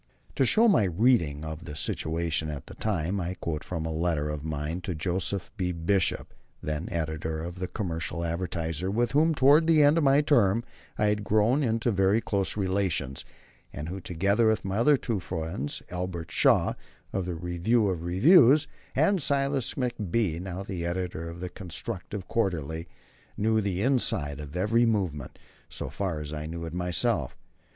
To show my reading of the situation at the time I quote from a letter of mine to Joseph B. Bishop, then editor of the Commercial Advertiser, with whom towards the end of my term I had grown into very close relations, and who, together with two other old friends, Albert Shaw, of the Review of Reviews, and Silas McBee, now editor of the Constructive Quarterly, knew the inside of every movement, so far as I knew it myself.